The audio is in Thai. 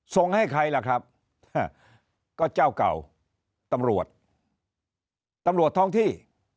ส่งให้ใครล่ะครับก็เจ้าเก่าตำรวจตำรวจตำรวจท้องที่